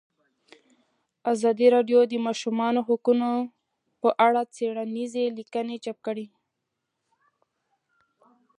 ازادي راډیو د د ماشومانو حقونه په اړه څېړنیزې لیکنې چاپ کړي.